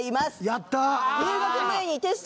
やった！